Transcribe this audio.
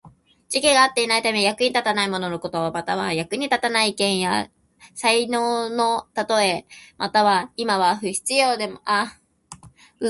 時期が合っていないために、役に立たないもののこと。または、役に立たない意見や才能のたとえ。または、今は不要でも適切な時期が来れば役に立つようになること。君主からの愛情や信用を失ったもの、恋人に捨てられた女性などを指す場合もある。